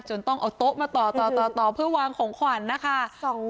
ต้องเอาโต๊ะมาต่อเพื่อวางของขวัญนะคะ